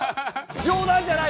冗談じゃないよ！